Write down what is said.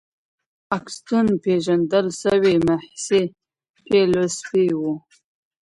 اګوستين پېژندل سوی مسيحي فيلسوف و.